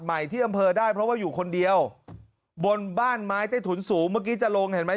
ที่อำเภอได้เพราะว่าอยู่คนเดียวบนบ้านไม้ใต้ถุนสูงเมื่อกี้จะลงเห็นไหม